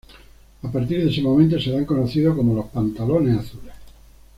A partir de ese momento, serán conocidos como Los Pantalones Azules.